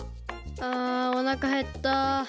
あおなかへった！